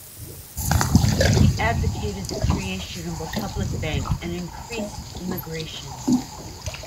He advocated the creation of a public bank and increased immigration.